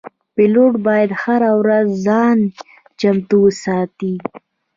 پیلوټ باید هره ورځ ځان چمتو وساتي.